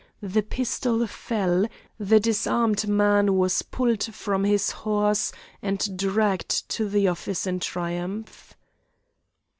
The pistol fell, the disarmed man was pulled from his horse, and dragged to the office in triumph.